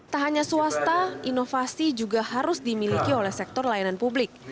tak hanya swasta inovasi juga harus dimiliki oleh sektor layanan publik